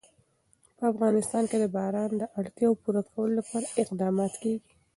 په افغانستان کې د باران د اړتیاوو پوره کولو لپاره اقدامات کېږي.